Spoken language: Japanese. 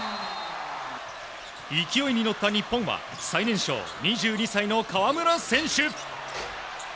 勢いに乗った日本は最年少２２歳の河村選手。